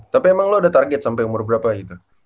tapi emang lo udah target sampe umur berapa gitu